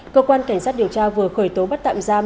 cơ quan cảnh sát điều tra vừa khởi tố bắt tạm giam